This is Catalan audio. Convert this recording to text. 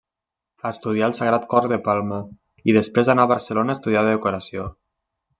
Estudià al Sagrat Cor de Palma i després anà a Barcelona a estudiar decoració.